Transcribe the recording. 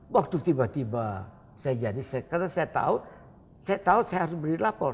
waktu tiba tiba saya jadi karena saya tahu saya tahu saya harus beri lapor